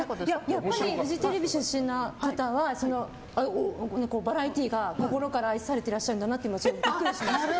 やっぱりフジテレビ出身の方はバラエティーを心から愛されていらっしゃるんだなってすごいビックリしました。